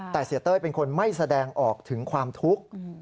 แต่เสียเต้ยเป็นคนไม่แสดงออกถึงความทุกข์